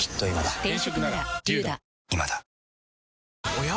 おや？